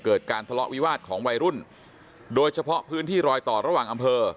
การทะเลาะวิวาสของวัยรุ่นโดยเฉพาะพื้นที่รอยต่อระหว่างอำเภอ